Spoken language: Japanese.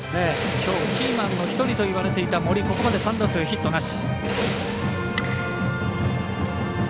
きょう、キーマンの１人といわれていた森、ここまで３打数ヒットなし。